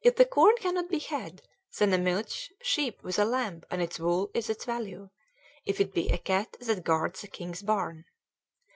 If the corn cannot be had, then a milch sheep with a lamb and its wool is its value, if it be a cat that guards the king's barn.